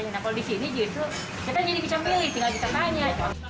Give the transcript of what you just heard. nah kalau di sini kita bisa pilih tinggal kita tanya